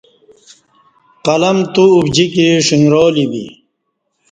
قلم تو اوبجیکی ݜݣرالی بی